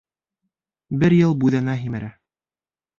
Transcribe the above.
Бер йыл бүҙәнә һимерә.